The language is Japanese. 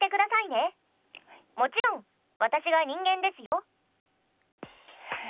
もちろん私が人間ですよ。